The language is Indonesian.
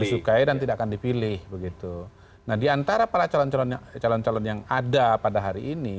disukai dan tidak akan dipilih begitu nah diantara para calon calon yang ada pada hari ini